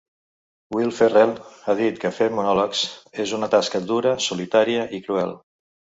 Will Ferrell ha dit que fer monòlegs és una tasca "dura, solitària i cruel".